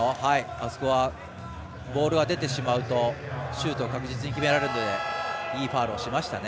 あそこはボールが出てしまうとシュートを確実に決められるのでいいファウルをしましたね。